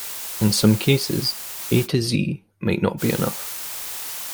In some cases, A to Z might not be enough.